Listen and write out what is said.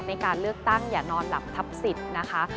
ในการเลือกตั้งอย่านอนหลับทับสิทธิ์นะคะ